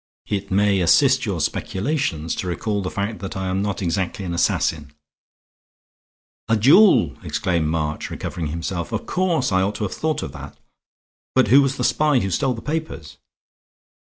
It may assist your speculations to recall the fact that I am not exactly an assassin." "A duel!" exclaimed March, recovering himself. "Of course I ought to have thought of that. But who was the spy who stole the papers?"